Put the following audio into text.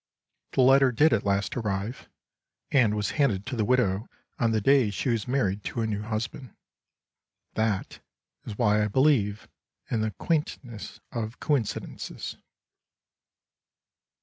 The letter did at last arrive, and was handed to the widow on the day she was married to a new husband. That is why I believe in the quaintness of coincidences.